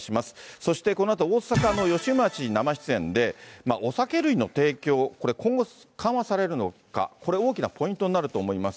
そしてこのあと大阪の吉村知事、生出演で、お酒類の提供、これ、今後、緩和されるのか、これ、大きなポイントになると思います。